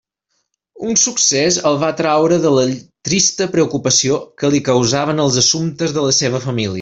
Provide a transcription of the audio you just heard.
Un succés el va traure de la trista preocupació que li causaven els assumptes de la seua família.